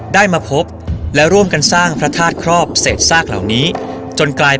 ได้มาพบและร่วมกันสร้างพระธาตุครอบเศษซากเหล่านี้จนกลายเป็น